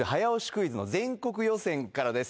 クイズの全国予選からです